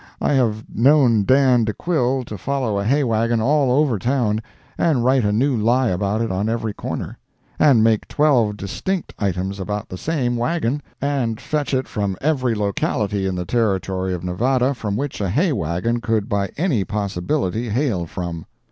I have known Dan de Quille to follow a hay wagon all over town, and write a new lie about it on every corner—and make twelve distinct items about the same wagon, and fetch it from every locality in the Territory of Nevada from which a hay wagon could by any possibility hail from.